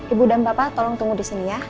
ibu dan bapak tolong tunggu di sini ya